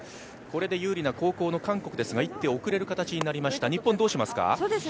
これで有利な後攻の韓国ですが１手遅れる形になりました、日本どうしますか？